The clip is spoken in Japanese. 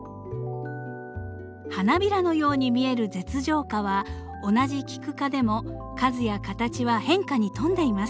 花びらのように見える舌状花は同じキク科でも数や形は変化に富んでいます。